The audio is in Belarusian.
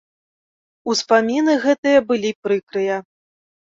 Успаміны гэтыя былі прыкрыя.